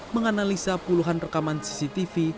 menganalisa puluhan rekaman cctv